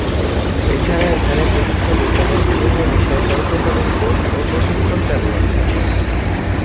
এছাড়া এখানে চিকিৎসাবিজ্ঞানের বিভিন্ন বিষয়ে স্বল্পকালীন কোর্স ও প্রশিক্ষন চালু আছে।